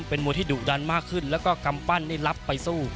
เป็นมุลที่ดุดำหน้าขึ้นแล้วก็กรัมปั้นรับไปสู้